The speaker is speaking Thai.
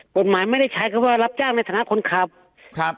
กฎหมายไม่ได้ใช้คำว่ารับจ้างในฐานะคนขับครับ